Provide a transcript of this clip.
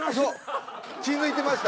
気付いてました？